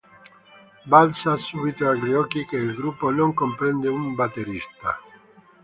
Balza subito agli occhi che il gruppo non comprende un batterista.